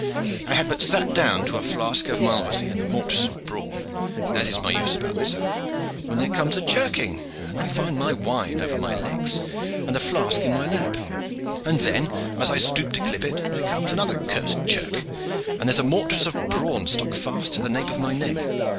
I had but sat down to a flask of malvoisie and a mortress of brawn, as is my use about this hour, when there comes a cherking, and I find my wine over my legs and the flask in my lap, and then as I stoop to clip it there comes another cursed cherk, and there is a mortress of brawn stuck fast to the nape of my neck.